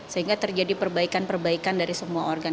sehingga terjadi perbaikan perbaikan dari semua organ